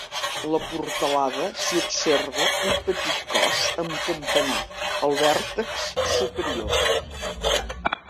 La portalada s'hi observa un petit cos amb campanar al vèrtex superior.